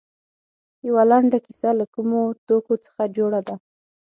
یوه لنډه کیسه له کومو توکو څخه جوړه ده.